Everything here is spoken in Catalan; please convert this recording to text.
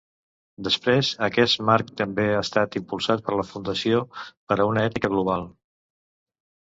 Després aquest marc també ha estat impulsat per la Fundació per a una Ètica Global.